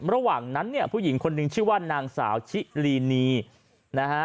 ระหว่างนั้นเนี่ยผู้หญิงคนนึงชื่อว่านางสาวชิลีนีนะฮะ